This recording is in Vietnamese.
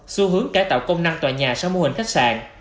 xu hướng cải tạo công năng tòa nhà sau mô hình khách sạn